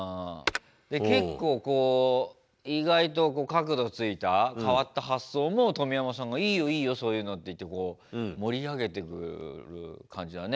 結構意外と角度ついた変わった発想も冨山さんが「いいよいいよそういうの」って言って盛り上げてくる感じだね。